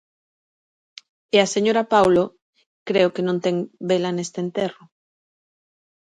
E a señora Paulo creo que non ten vela neste enterro.